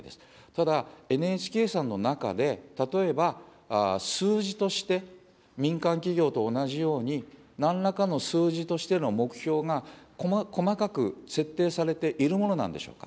ただ、ＮＨＫさんの中で、例えば数字として、民間企業と同じように、なんらかの数字としての目標が細かく設定されているものなんでしょうか。